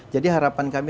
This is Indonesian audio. jadi harapan kami